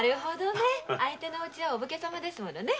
相手のおうちはお武家様ですものね。